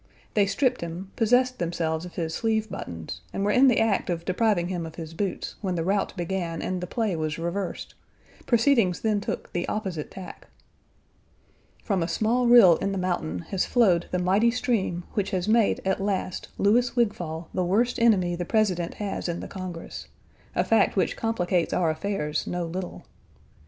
They stripped him, possessed themselves of his sleeve buttons, and were in the act of depriving him of his boots when the rout began and the play was reversed; proceedings then took the opposite tack. From a small rill in the mountain has flowed the mighty stream which has made at last Louis Wigfall the worst enemy the President has in the Congress, a fact which complicates our affairs no little.